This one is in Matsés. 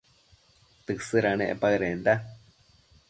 Tësëdanec paëdenda